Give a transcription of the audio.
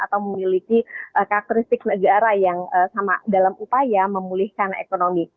atau memiliki karakteristik negara yang sama dalam upaya memulihkan ekonomi